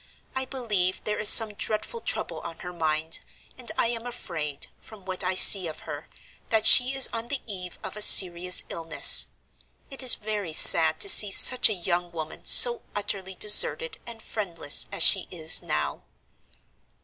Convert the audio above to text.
I believe there is some dreadful trouble on her mind; and I am afraid, from what I see of her, that she is on the eve of a serious illness. It is very sad to see such a young woman so utterly deserted and friendless as she is now.